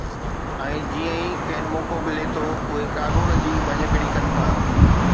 ۽ جيئن ئي کين موقعو ملي ٿو، اهي قانون جي ڀڃڪڙي ڪن ٿا